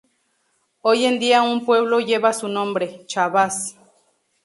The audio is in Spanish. Hoy en día un pueblo lleva su nombre, Chabás.